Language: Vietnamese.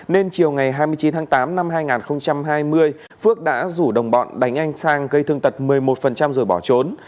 nên chiều ngày hai mươi chín tháng tám năm hai nghìn hai mươi phước đã rủ đồng bọn đánh anh sang gây thương tật một mươi một rồi bỏ trốn